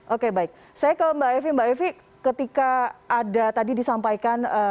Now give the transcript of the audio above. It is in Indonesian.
oke baik saya ke mbak evi mbak evi ketika ada tadi disampaikan